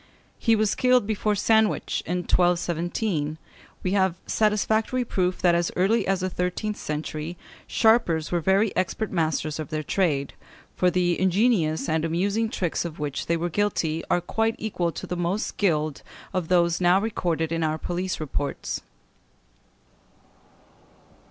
He was killed before Sandwich, in 1217. We have satisfactory proof that as early as the thirteenth century sharpers were very expert masters of their trade, for the ingenious and amusing tricks of which they were guilty are quite equal to the most skilled of those now recorded in our police reports.